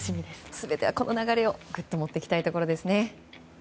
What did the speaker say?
全てはこの流れをぐっと持っていきたいところですね。